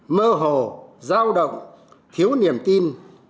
mơ hồ giao động thiếu niềm tin